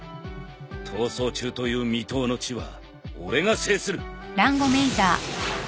逃走中という未踏の地は俺が制する。